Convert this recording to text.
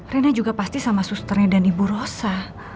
rina juga pasti sama susternya dan ibu rosa